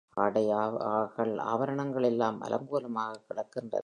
ஆடைகள் ஆபரணங்கள் எல்லாம் அலங்கோலமாய்க் கிடக்கின்றன.